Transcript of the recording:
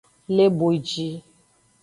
Le boji.